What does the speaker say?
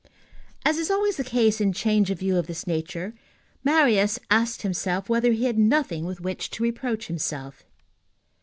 As is always the case in changes of view of this nature, Marius asked himself whether he had nothing with which to reproach himself.